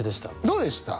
どうでした？